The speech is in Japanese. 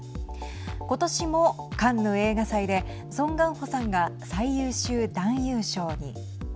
今年もカンヌ映画祭でソン・ガンホさんが最優秀男優賞に。